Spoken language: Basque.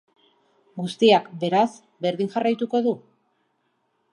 Guztiak, beraz, berdin jarraituko du?